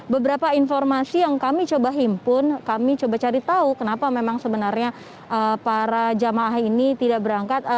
beberapa informasi yang kami coba himpun kami coba cari tahu kenapa memang sebenarnya para jamaah ini tidak berangkat